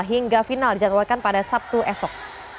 hingga final dijadwalkan pada sabtu esok